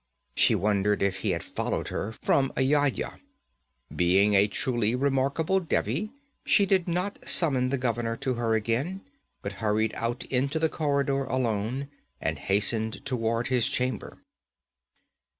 She wondered if he had followed her from Ayodhya. Being a truly remarkable Devi, she did not summon the governor to her again, but hurried out into the corridor alone, and hastened toward his chamber.